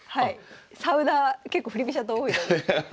サウナー結構振り飛車党多いので。